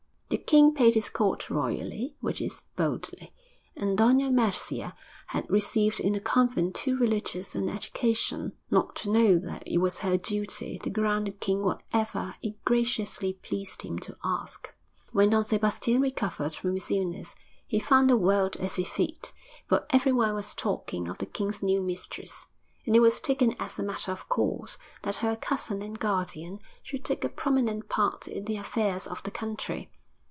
The king paid his court royally, which is, boldly; and Doña Mercia had received in the convent too religious an education not to know that it was her duty to grant the king whatever it graciously pleased him to ask.... When Don Sebastian recovered from his illness, he found the world at his feet, for everyone was talking of the king's new mistress, and it was taken as a matter of course that her cousin and guardian should take a prominent part in the affairs of the country.